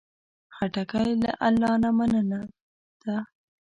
خټکی له الله نه مننه ده.